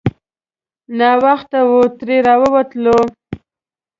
ناوخته وو ترې راووتلو.